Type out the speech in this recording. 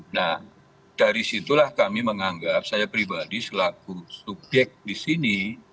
nah dari situlah kami menganggap saya pribadi selaku subyek di sini